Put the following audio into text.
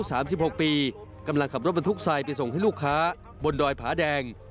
สามสิบหกปีกำลังขับรถบรรทุกทรายไปส่งให้ลูกค้าบนดอยผาแดง